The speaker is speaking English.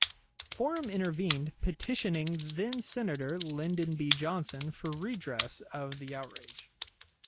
Forum intervened, petitioning then-senator Lyndon B. Johnson for redress of the outrage.